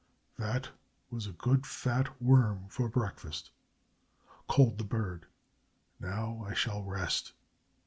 "That was a good fat worm for breakfast," called the bird. "Now I shall rest."